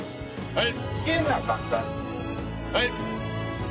はい。